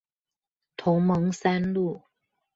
同盟三路